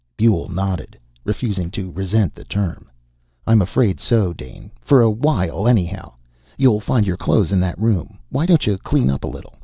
Buehl nodded, refusing to resent the term. "I'm afraid so, Dane for a while, anyhow. You'll find your clothes in that room. Why don't you clean up a little?